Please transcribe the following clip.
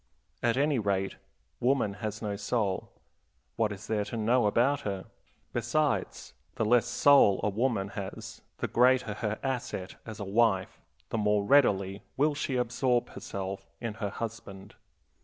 At any rate, woman has no soul what is there to know about her? Besides, the less soul a woman has the greater her asset as a wife, the more readily will she absorb herself in her husband.